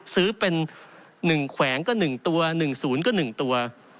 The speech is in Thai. ซื้อเป็น๑แขวงก็๑ตัว๑๐ก็๑ตัว